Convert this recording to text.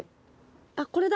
あっこれだ！